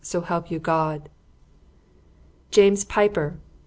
So help you God!" "James Piper!"